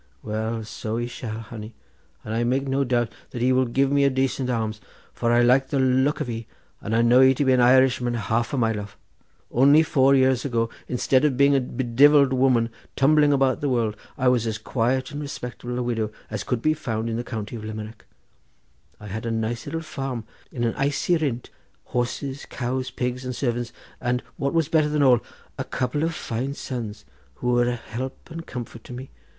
"Well, so ye shall, honey; and I make no doubt ye will give me a dacent alms, for I like the look of ye, and knew ye to be an Irishman half a mile off. Only four years ago, instead of being a bedivilled woman, tumbling about the world, I was as quiet and respectable a widow as could be found in the county of Limerick. I had a nice little farm at an aisy rint, horses, cows, pigs, and servants, and, what was better than all, a couple of fine sons, who were a help and comfort to me.